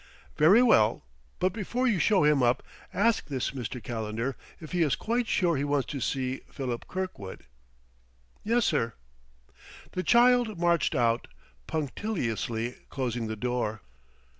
"Very well. But before you show him up, ask this Mr. Calendar if he is quite sure he wants to see Philip Kirkwood." "Yessir." The child marched out, punctiliously closing the door.